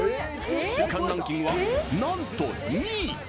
週間ランキングは、なんと２位！